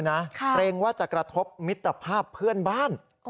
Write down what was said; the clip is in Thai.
แต่มีเรื่องว่าจะนะภาพเพื่อนบ้าน